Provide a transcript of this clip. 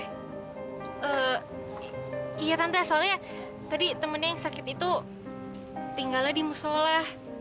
eh iya tante soalnya tadi temennya yang sakit itu tinggal di musola lah